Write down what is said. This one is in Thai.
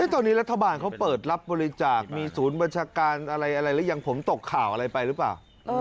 ตอนนี้รัฐบาลเขาเปิดรับบริจาคมีศูนย์บัญชาการอะไรหรือยังผมตกข่าวอะไรไปหรือเปล่า